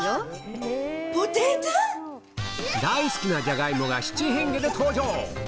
大好きなじゃがいもが七変化で登場！